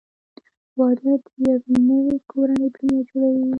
• واده د یوې نوې کورنۍ بنیاد جوړوي.